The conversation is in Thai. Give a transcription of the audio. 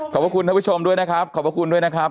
ขอบคุณท่านผู้ชมด้วยนะครับขอบพระคุณด้วยนะครับ